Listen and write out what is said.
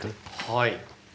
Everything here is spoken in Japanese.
はい。